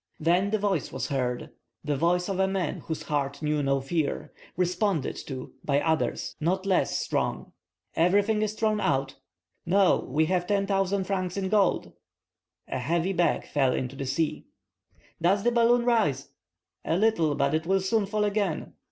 Then a voice was heard—the voice of a man whose heart knew no fear—responded to by others not less strong:— "Everything is thrown out?" "No, we yet have 10,000 francs in gold." A heavy bag fell into the sea. "Does the balloon rise?" "A little, but it will soon fall again."